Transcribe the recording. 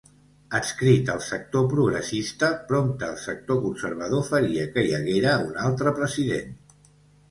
Adscrit al sector progressista, prompte el sector conservador faria que hi haguera un altre president.